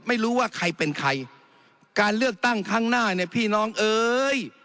ไม่รู้ว่าใครเป็นใครการเลือกตั้งครั้งหน้าเนี่ยพี่น้องเอ้ย